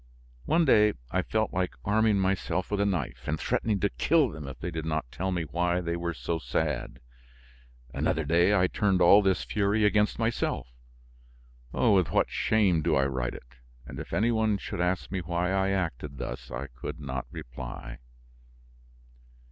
One day I felt like arming myself with a knife and threatening to kill them if they did not tell me why they were so sad; another day I turned all this fury against myself. With what shame do I write it! And if any one should ask me why I acted thus, I could not reply.